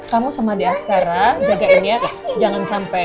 kamu sama dede askara jagain ya